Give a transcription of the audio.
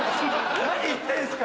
何言ってんすか！